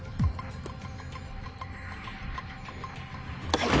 はい。